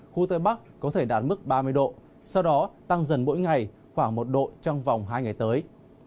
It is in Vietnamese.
khu tây bắc có thể đạt mức ba mươi độ sau đó tăng dần mỗi ngày khoảng một độ trong vòng hai ngày tới